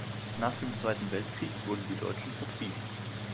Nach dem Zweiten Weltkrieg wurden die Deutschen vertrieben.